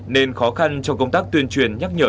nên khó khăn trong công tác tuyên truyền nhắc nhở